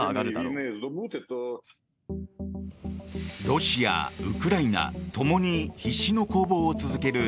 ロシア、ウクライナ共に必死の攻防を続ける